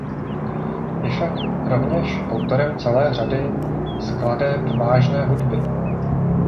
Je však rovněž autorem celé řady skladeb vážné hudby.